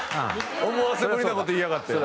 思わせぶりな事言いやがって。